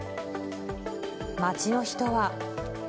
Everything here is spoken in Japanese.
街の人は。